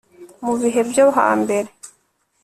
mu bihe byo hambere